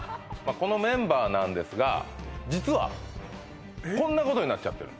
このメンバーなんですが実はこんなことになっちゃってる